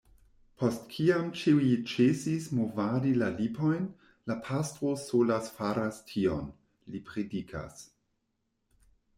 Post kiam ĉiuj ĉesis movadi la lipojn, la pastro sola faras tion; li predikas.